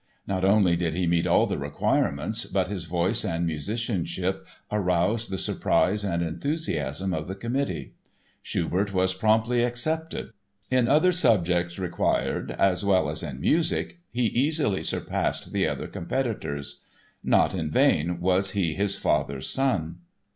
Not only did he meet all the requirements but his voice and musicianship aroused the surprise and enthusiasm of the committee. Schubert was promptly accepted. In other subjects required, as well as in music, he easily surpassed the other competitors. Not in vain was he his father's son!